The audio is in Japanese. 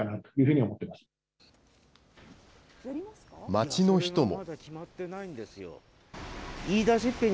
街の人も。